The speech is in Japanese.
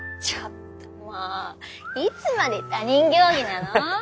ちょっともういつまで他人行儀なの？